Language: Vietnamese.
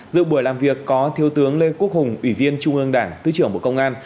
dự buổi làm việc có thiếu tướng lê quốc hùng ủy viên trung ương đảng thứ trưởng bộ công an